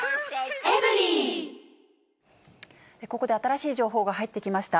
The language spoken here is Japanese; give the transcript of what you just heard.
ここで新しい情報が入ってきました。